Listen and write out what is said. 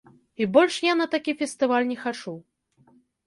І больш я на такі фестываль не хачу.